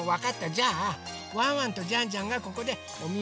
じゃあワンワンとジャンジャンがここでおみおくりをします。